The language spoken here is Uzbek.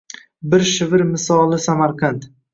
Bir shivir misoli Samarqand